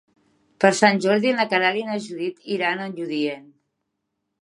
Per Sant Jordi na Queralt i na Judit iran a Lludient.